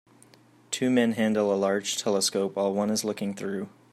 Two men handle a large telescope while one is looking through